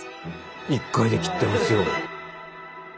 １回で切ってますよ。